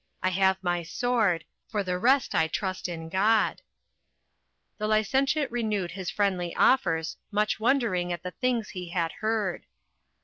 I have my sword; for the rest I trust in God. The licentiate renewed his friendly offers, much wondering at the things he had heard.